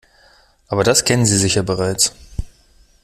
Aber das kennen Sie sicher bereits.